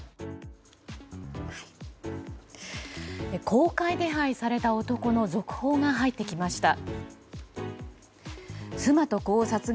公開手配された男の続報が入ってきました。